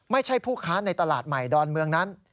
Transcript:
ไม่ใช่ผู้ค้าในตลาดใหม่ดอนเมืองนั้น